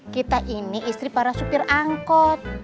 kita ini istri para supir angkot